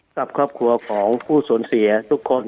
กับครอบครัวของผู้สูญเสียทุกคน